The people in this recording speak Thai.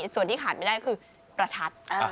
ส่วนที่ขาดไม่ได้คือประชัด